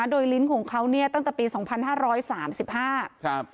โดยลิ้นของเขาเนี่ยตั้งแต่ปีสองพันห้าร้อยสามสิบห้าครับ